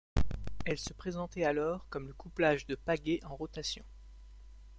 Elle se présentait alors comme le couplage de pagaies en rotation.